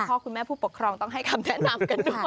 คุณพ่อคุณแม่ผู้ปกครองต้องให้คำแนะนำกันด้วย